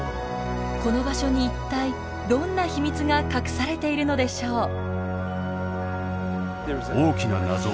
この場所に一体どんな秘密が隠されているのでしょう？